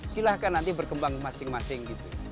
silahkan nanti berkembang masing masing gitu